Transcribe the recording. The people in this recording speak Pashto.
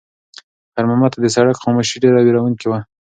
خیر محمد ته د سړک خاموشي ډېره وېروونکې وه.